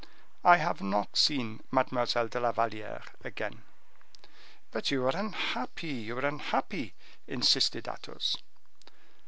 I have not seen Mademoiselle de la Valliere again." "But you are unhappy! you are unhappy!" insisted Athos.